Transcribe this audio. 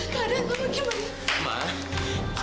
keadaan mama gimana